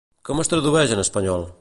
Com es tradueix en espanyol?